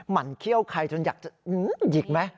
มันเขี้ยวใครจนอยากจะหยิกไหม